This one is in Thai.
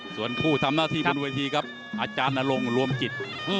ส่วนผู้ทำหน้าที่บนเวทีครับอาจารย์นรงค์รวมจิต